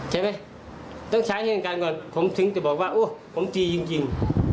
ผมถึงจะบอกว่าโอ๊ยผมตีจริง